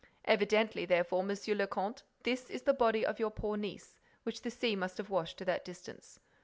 Evidently, therefore, Monsieur le Comte, this is the body of your poor niece, which the sea must have washed to that distance.